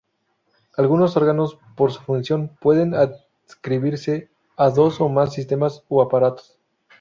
Algunos órganos, por su función, pueden adscribirse a dos o más sistemas o aparatos.